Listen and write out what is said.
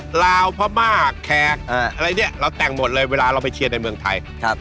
ลาวพม่าแขกอะไรเนี่ยเราแต่งหมดเลยเวลาเราไปเชียร์ในเมืองไทย